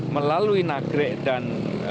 melalui nagrek dan